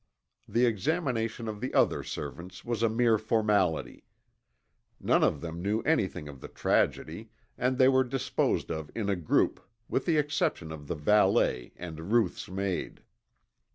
The examination of the other servants was a mere formality. None of them knew anything of the tragedy and they were disposed of in a group with the exception of the valet and Ruth's maid.